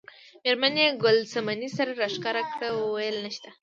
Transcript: میرمن یې ګل صمنې سر راښکاره کړ وویل نشته.